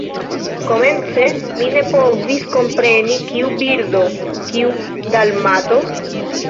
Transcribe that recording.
Komence mi ne povis kompreni, kiu birdo, kiu Dalmato?